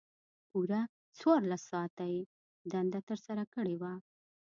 پوره څوارلس ساعته یې دنده ترسره کړې وه.